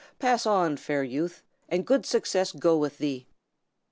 Pass on, fair youth, and good success go with thee!"